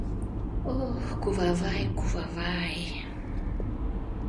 — Ох, кувавай, кувавай!